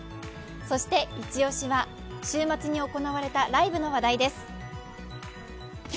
そしてイチ押しは週末に行われたライブの話題です。